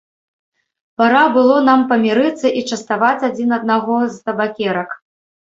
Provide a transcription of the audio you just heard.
Пара было нам памірыцца і частаваць адзін аднаго з табакерак.